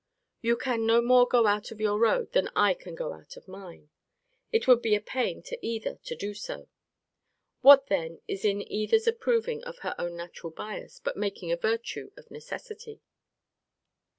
You can no more go out of your road, than I can go out of mine. It would be a pain to either to do so: What then is it in either's approving of her own natural bias, but making a virtue of necessity?